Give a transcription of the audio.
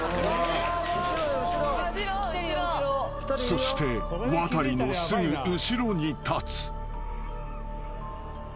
［そしてワタリのすぐ後ろに立つ］